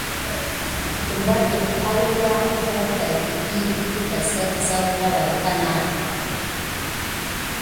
Abete kulku misohohi na adum à siga mis def kum kulu naà.